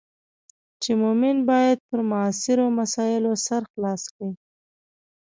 چې مومن باید پر معاصرو مسایلو سر خلاص کړي.